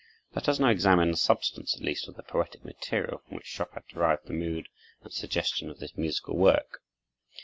Let us now examine the substance at least of the poetic material from which Chopin derived the mood and suggestion of this musical work.